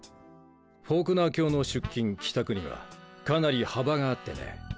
フォークナー卿の出勤帰宅にはかなり幅があってね。